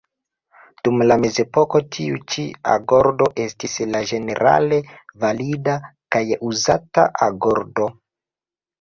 Dum la mezepoko tiu ĉi agordo estis la ĝenerale valida kaj uzata agordo.